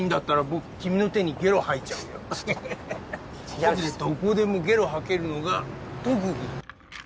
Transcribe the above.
僕どこでもゲロ吐けるのが特技。